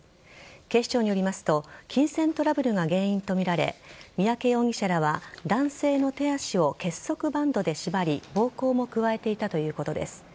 警視庁によりますと金銭トラブルが原因とみられ三宅容疑者らは男性の手足を結束バンドで縛り暴行も加えていたということです。